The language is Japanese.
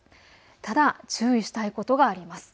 ただ注意したいことがあります。